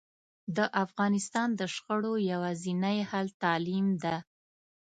د افغانستان د شخړو یواځینی حل تعلیم ده